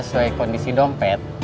sesuai kondisi dompet